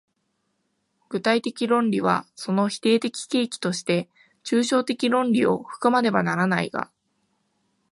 具体的論理はその否定的契機として抽象的論理を含まねばならないが、